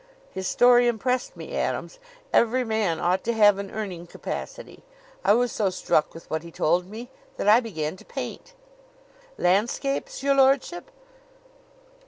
His story impressed me, Adams. Every man ought to have an earning capacity. I was so struck with what he told me that I began to paint." "Landscapes, your lordship?"